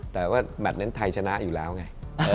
แต่ว่าแมทนั้นไทยชนะอยู่แล้วไง